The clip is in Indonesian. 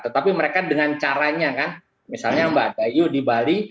tetapi mereka dengan caranya kan misalnya mbak dayu di bali